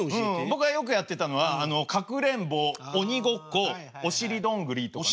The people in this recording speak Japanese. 僕がよくやってたのはかくれんぼ鬼ごっこお尻どんぐりとかね。